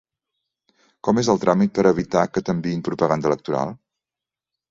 Com és el tràmit per evitar que t'enviïn propaganda electoral?